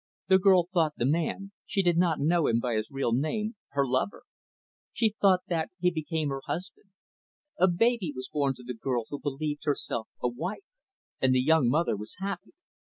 The girl thought the man she did not know him by his real name her lover. She thought that he became her husband. A baby was born to the girl who believed herself a wife; and the young mother was happy.